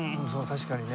確かにね。